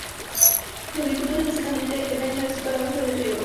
La agricultura es básicamente de caña de azúcar a base de riego.